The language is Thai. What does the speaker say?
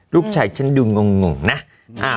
ลูกชายฉันดูงงงนะ